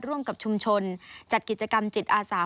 ร่วมกับชุมชนจัดกิจกรรมจิตอาสา